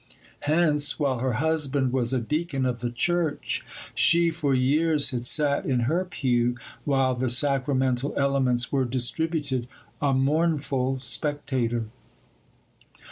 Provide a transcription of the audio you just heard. Hence, while her husband was a deacon of the church, she for years had sat in her pew while the sacramental elements were distributed, a mournful spectator.